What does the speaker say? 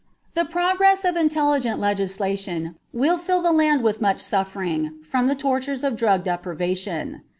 The progress of intelligent legislation will fill the land with much suffering from the tortures of drug deprivation.